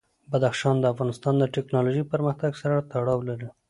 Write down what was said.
بدخشان د افغانستان د تکنالوژۍ پرمختګ سره تړاو لري.